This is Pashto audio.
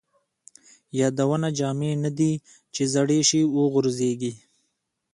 یادونه جامې نه دي ،چې زړې شي وغورځيږي